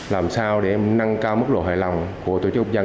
làm sao để nâng cao mức độ hài lòng của tổ chức quốc dân